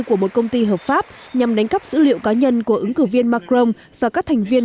của một công ty hợp pháp nhằm đánh cắp dữ liệu cá nhân của ứng cử viên macron và các thành viên